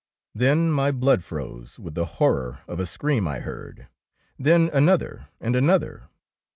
Then my blood froze with the hor ror of a scream I heard, then another and another.